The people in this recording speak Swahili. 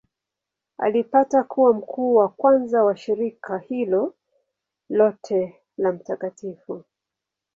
Alipata kuwa mkuu wa kwanza wa shirika hilo lote la Mt.